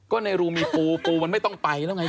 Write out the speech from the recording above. ก็ในรูมีปูปูมันไม่ต้องไปแล้วไง